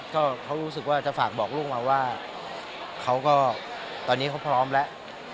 ก็เขารู้สึกว่าจะฝากบอกลูกมาว่าเขาก็ตอนนี้เขาพร้อมแล้ว